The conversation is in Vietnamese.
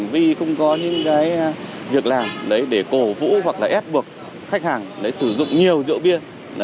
việc làm để cổ vũ hoặc là ép buộc khách hàng sử dụng nhiều rượu bia